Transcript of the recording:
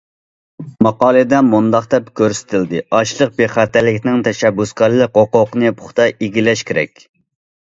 ماقالىدە مۇنداق دەپ كۆرسىتىلدى: ئاشلىق بىخەتەرلىكىنىڭ تەشەببۇسكارلىق ھوقۇقىنى پۇختا ئىگىلەش كېرەك.